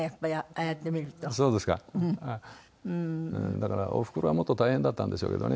だからおふくろはもっと大変だったんでしょうけどね。